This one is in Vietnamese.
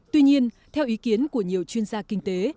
tuy nhiên theo ý kiến của nhiều chuyên gia kinh tế